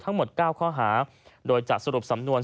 ทั้งหมด๙ข้อหาโดยจะสรุปสำนวน